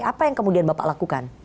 apa yang kemudian bapak lakukan